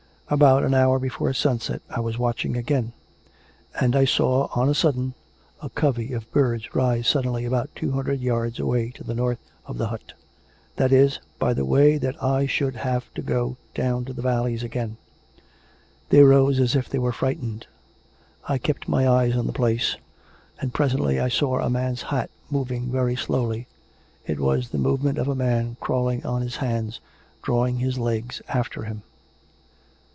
" About an hour before sunset I was watcliing again. 416 COME RACK! COME ROPE! and I saw, on a sudden, a covey of birds rise suddenly about two hundred yards away to the north of the hut — that is, by the way that I should have to go down to the valleys again. They rose as if they were frightened. I kept my eyes on the place, and presently I saw a man's hat moving very slowly. It was the movement of a man crawling on his hands, drawing his legs after him.